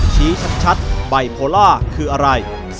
ชี้ชัดไบโพล่าคืออะไร